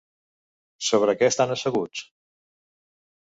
Sobre què estan asseguts?